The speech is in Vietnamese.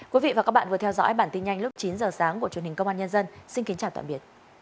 cảm ơn các bạn đã theo dõi và hẹn gặp lại